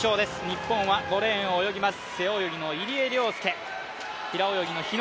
日本は５レーンを泳ぎます。